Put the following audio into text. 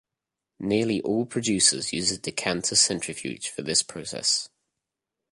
Nearly all producers use a decanter centrifuge for this process.